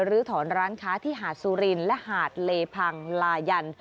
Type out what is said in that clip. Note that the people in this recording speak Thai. ลื้อถอนร้านค้าที่หาดสุรินและหาดเลพังลายัน